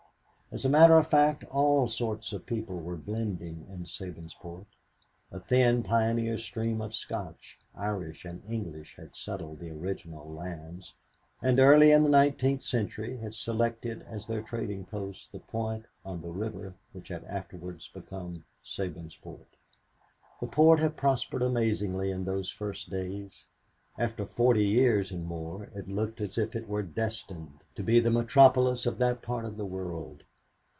As a matter of fact, all sorts of people were blending in Sabinsport. A thin pioneer stream of Scotch, Irish and English had settled the original lands, and early in the nineteenth century had selected as their trading post the point on the river which had afterwards become Sabinsport. The port had prospered amazingly in those first days. After forty years and more it looked as if it were destined to be the metropolis of that part of the world.